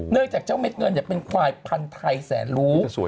จากเจ้าเม็ดเงินเป็นควายพันธุ์ไทยแสนรู้